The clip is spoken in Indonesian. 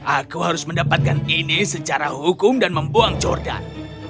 aku harus mendapatkan ini secara hukum dan membuang jordan